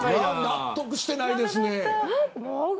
納得してないですね。